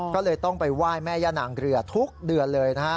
ก็เลยต้องไปไหว้แม่ย่านางเรือทุกเดือนเลยนะฮะ